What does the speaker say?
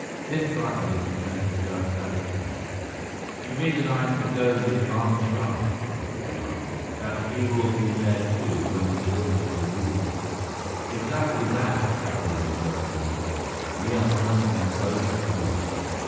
Biff brightened as he turned to Judge Arista. "You mean that I'm to go with Barma Shah?" the boy asked. "That he will be there, too, when we deliver the ruby?" "Exactly that," acknowledged Judge Arista. "We are counting on both of you.